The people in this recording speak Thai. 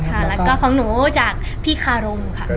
แล้วก็ของหนูจากพี่คารมครับ